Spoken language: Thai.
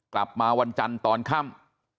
กลับมาวันจันทร์ตอนค่ำ